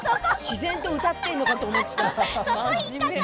自然と歌っているのかと思った。